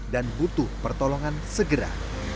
dan butuh pertolongan segera